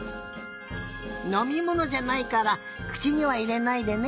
のみものじゃないからくちにはいれないでね。